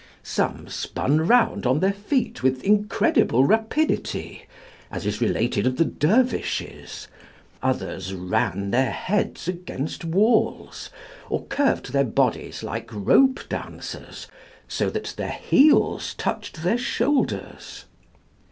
Some spun round on their feet with incredible rapidity, as is related of the dervishes; others ran their heads against walls, or curved their bodies like rope dancers, so that their heels touched their shoulders.